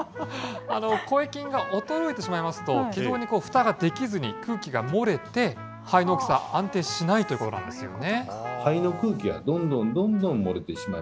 声筋が衰えてしまいますと、気道にふたができず空気が漏れて、肺の動きが安定しないということなんですよね。